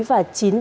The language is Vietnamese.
và chín viên đá gà